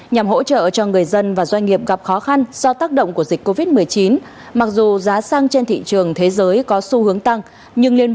nhằm hỗ trợ cho người dân và doanh nghiệp gặp khó khăn do tác động của dịch covid một mươi chín mặc dù giá xăng trên thị trường thế giới có xu hướng tăng